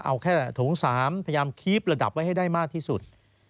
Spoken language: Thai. เอาแค่ถุง๓พยายามคีบระดับไว้ให้ได้มากที่สุด